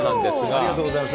ありがとうございます。